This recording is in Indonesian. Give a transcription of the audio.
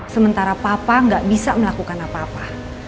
sementara papa nggak bisa melakukan apa apa